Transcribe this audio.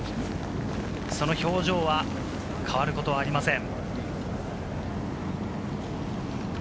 その表情は変わることはありません。